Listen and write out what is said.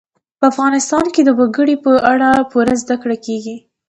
په افغانستان کې د وګړي په اړه پوره زده کړه کېږي.